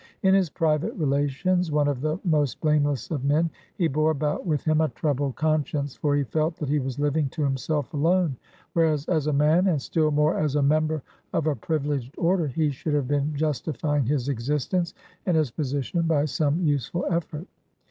In his private relations one of the most blameless of men, he bore about with him a troubled conscience, for he felt that he was living to himself alone, whereas, as a man, and still more as member of a privileged order, he should have been justifying his existence and his position by some useful effort.